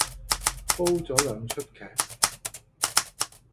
煲咗兩齣劇